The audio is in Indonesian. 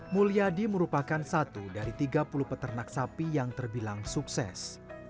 mulyadi merupakan satu dari tiga puluh peternak sapi yang terbilang sukses